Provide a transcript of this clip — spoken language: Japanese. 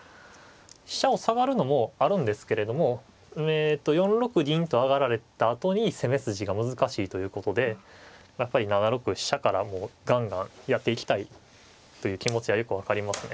飛車を下がるのもあるんですけれども４六銀と上がられたあとに攻め筋が難しいということでやっぱり７六飛車からもうガンガンやっていきたいという気持ちはよく分かりますね。